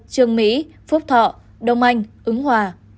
trường mỹ phúc thọ đông anh ứng hòa